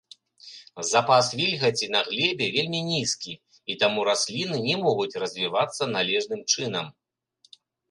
Запас вільгаці на глебе вельмі нізкі, і таму расліны не могуць развівацца належным чынам.